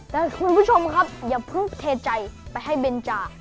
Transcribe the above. แล้วทุกคนผู้ชมครับอย่าพลุกเทใจไปให้เบนจ้า